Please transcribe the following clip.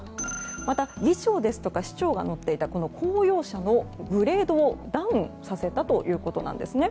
また議長ですとか市長が乗っていた公用車のグレードをダウンさせたということです。